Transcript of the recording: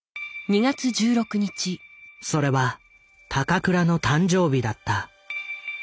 それは高倉の誕生日だった。